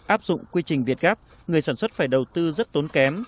áp dụng quy trình việt gáp người sản xuất phải đầu tư rất tốn kém